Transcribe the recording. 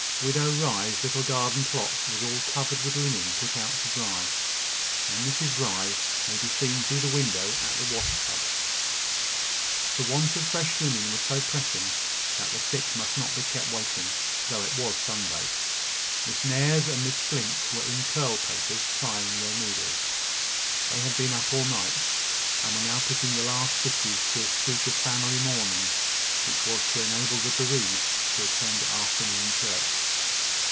Widow Rye's little garden plot was all covered with linen put out to dry, and Mrs Rye might be seen through the window, at the wash tub. The want of fresh linen was so pressing, that the sick must not be kept waiting, though it was Sunday. Miss Nares and Miss Flint were in curl papers, plying their needles. They had been up all night, and were now putting the last stitches to a suit of family mourning, which was to enable the bereaved to attend afternoon church.